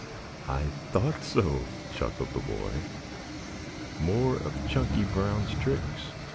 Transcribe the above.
"I thought so," chuckled the boy. "More of Chunky Brown's tricks.